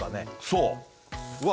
そううわ